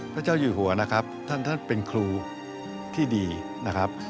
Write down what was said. พระเจ้าอยู่หัวนะครับท่านท่านเป็นครูที่ดีนะครับ